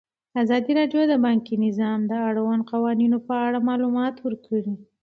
ازادي راډیو د بانکي نظام د اړونده قوانینو په اړه معلومات ورکړي.